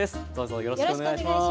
よろしくお願いします。